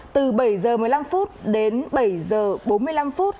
từ bảy h một mươi năm đến bảy h bốn mươi năm